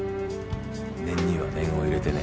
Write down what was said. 念には念を入れてね。